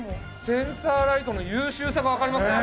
センサーライトの優秀さがわかりますね。